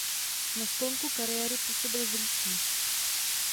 Na sklonku kariéry působil v Líšni.